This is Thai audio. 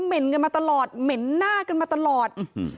เหม็นหน้ากันมาตลอด